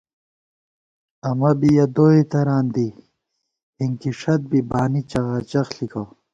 امہ بی یَہ دوئےتران دِی ہِنکِی ݭَت بی بانی چغاچغ ݪِکہ